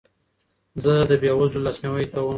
زه د بې وزلو لاسنیوی کوم.